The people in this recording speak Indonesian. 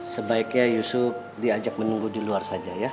sebaiknya yusuf diajak menunggu di luar saja ya